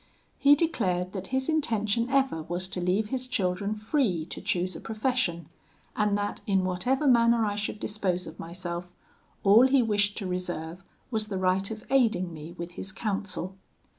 He declared that his intention ever was to leave his children free to choose a profession, and that in whatever manner I should dispose of myself, all he wished to reserve was the right of aiding me with his counsel.